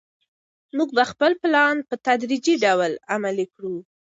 موږ به خپل پلان په تدریجي ډول عملي کړو.